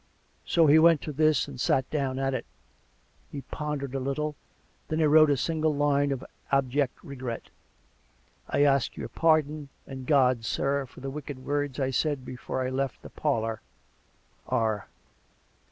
So he went to this and sat down at it; he pondered a little; then he wrote a single line of abject regret. COME RACK! COME ROPE! 51 " I ask your pardon and God's, sir, for the wicked words I said before I left the parlour. R."